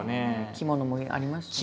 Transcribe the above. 着物もありますしね。